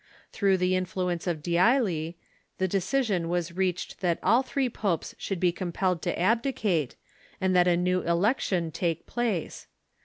Through the influence of D'Ailly, the decision was reached that all three popes should be com pelled to abdicate, and that a new election take place.